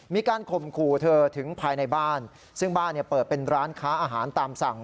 ข่มขู่เธอถึงภายในบ้านซึ่งบ้านเนี่ยเปิดเป็นร้านค้าอาหารตามสั่ง